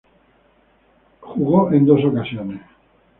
Él jugó en dos ocasiones.